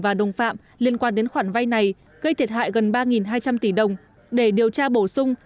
và đồng phạm liên quan đến khoản vay này gây thiệt hại gần ba hai trăm linh tỷ đồng để điều tra bổ sung